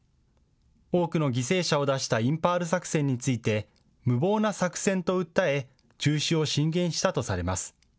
多くの犠牲者を出したインパール作戦について無謀な作戦と訴え、中止を進言したとされます。